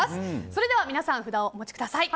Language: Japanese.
それでは皆さん札をお持ちください。